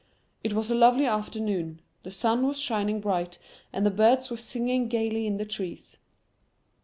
It was a lovely afternoon; the sun was shining bright, and the birds were singing gaily in the trees.